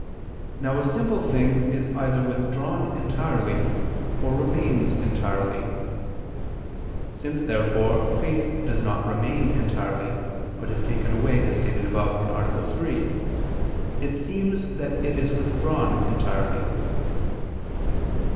Now a simple thing is either withdrawn entirely, or remains entirely. Since therefore faith does not remain entirely, but is taken away as stated above (A. 3), it seems that it is withdrawn entirely.